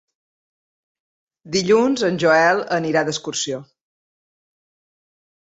Dilluns en Joel anirà d'excursió.